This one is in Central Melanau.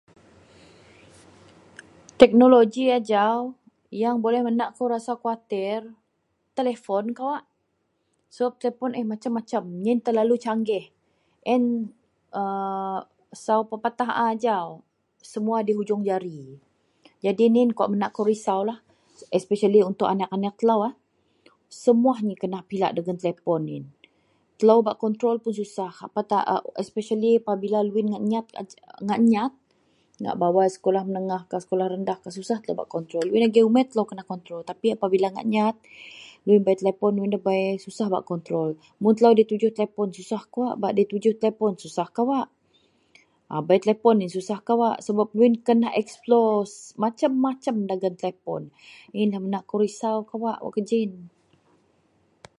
Teknoloji ajau yang boleh menak kou khuatir telepon kawak Sebab telepon eh masem-masem nyien terlalu changih. Ien Sau pepatah ajau semua diujung jari. Jadi yen lah menaak kou risaulah especially untuk anek-anek telo semua kena pilak dagen telepon iyen telo bak kontrol telo susah especially apabila loyen ngak nyat, ngak bawai sekolah menengah, sekolah rendah, dusah bak kontrol. Loyen agei umit kenalah bak kontrol. Tapi apabila ngak nyat bei telepon loyen debei, susah bak kontrol mun telo dabei tujuh puon susah kawak bak tujuh telepon susah kawak bei telepon puon susah kawak sebab loyen kena explore masem-masem dagen telepon. Iyenlah menak akou risau wak kegiyen.